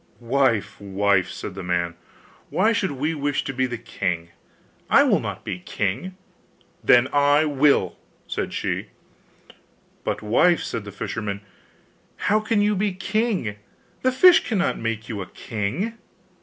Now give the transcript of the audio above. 'Wife, wife,' said the man, 'why should we wish to be the king? I will not be king.' 'Then I will,' said she. 'But, wife,' said the fisherman, 'how can you be king the fish cannot make you a king?